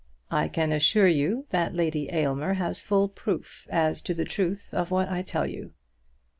I can assure you that Lady Aylmer has full proof as to the truth of what I tell you.